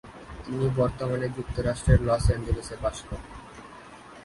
তিনি বর্তমানে যুক্তরাষ্ট্রের লস অ্যাঞ্জেলেসে বাস করছেন।